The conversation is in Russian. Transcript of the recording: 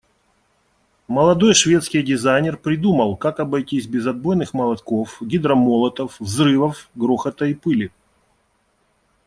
Молодой шведский дизайнер придумал, как обойтись без отбойных молотков, гидромолотов, взрывов, грохота и пыли.